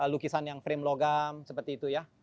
lukisan yang frame logam seperti itu ya